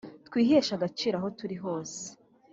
twiheshe agaciro aho turi hose